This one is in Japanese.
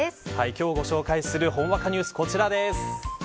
今日ご紹介するほんわかニュース、こちらです。